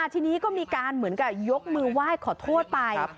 ทีนี้ก็มีการเหมือนกับยกมือไหว้ขอโทษไป